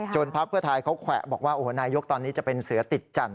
จนพระพฤทัยเขาแขวะว่าโอ้โฮนายยกตอนนี้จะเป็นเสือติดจันทร์